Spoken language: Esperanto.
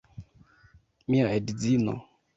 Mia edzino!